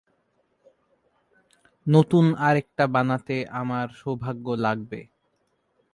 নতুন আরেকটা বানাতে আমার সৌভাগ্য লাগবে।